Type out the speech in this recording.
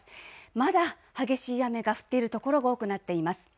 まだ激しい雨が降っている所が多くなっています。